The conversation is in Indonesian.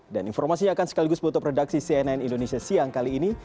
dan informasinya akan sekaligus buatopredaksi cnn indonesia siang kali ini